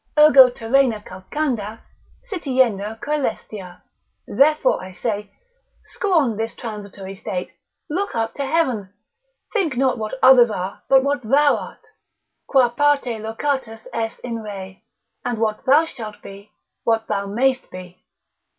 Ergo terrena calcanda, sitienda coelestia, (therefore I say) scorn this transitory state, look up to heaven, think not what others are, but what thou art: Qua parte locatus es in re: and what thou shalt be, what thou mayst be.